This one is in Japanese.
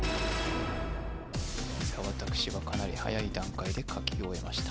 伊沢拓司はかなりはやい段階で書き終えました